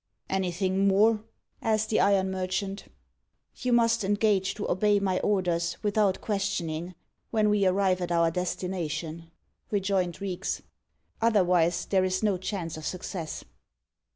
"Anything more?" asked the iron merchant. "You must engage to obey my orders, without questioning, when we arrive at our destination," rejoined Reeks. "Otherwise, there is no chance of success."